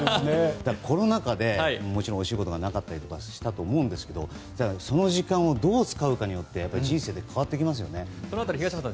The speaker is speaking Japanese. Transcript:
コロナ禍でもちろんお仕事がなかったりしたと思うんですけどその時間をどう使うかによってその辺り、東山さん